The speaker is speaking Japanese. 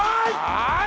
はい！